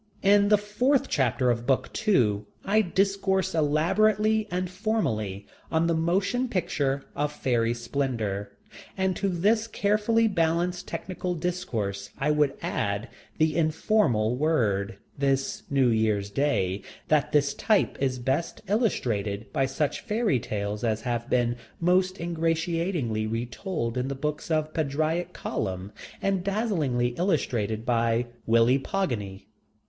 In the fourth chapter of book two I discourse elaborately and formally on The Motion Picture of Fairy Splendor. And to this carefully balanced technical discourse I would add the informal word, this New Year's Day, that this type is best illustrated by such fairy tales as have been most ingratiatingly retold in the books of Padraic Colum, and dazzlingly illustrated by Willy Pogany.